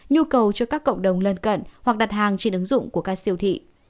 nhu cầu cho các cộng đồng lân cận hoặc đặt hàng trên ứng dụng của các siêu thị